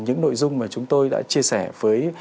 những nội dung mà chúng tôi đã chia sẻ với